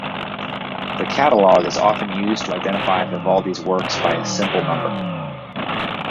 The catalog is often used to identify Vivaldi's works by a simple number.